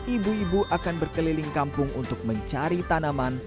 ibu ibu akan berkeliling kampung untuk mencari tanaman